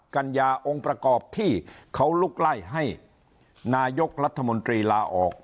กัญญาองค์ประกอบที่เขาลุกไล่ให้นายกรัฐมนตรีลาออก